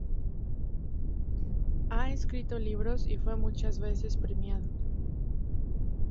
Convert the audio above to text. Ha escrito libros y fue muchas veces premiado.